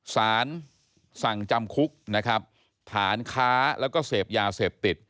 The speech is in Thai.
สารสั่งจำคุกนะครับฐานค้าแล้วก็เสพยาเสพติด